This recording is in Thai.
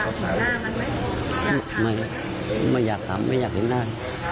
แล้วอยากถึงหน้ามันไหมไม่ไม่อยากถามไม่อยากถึงหน้า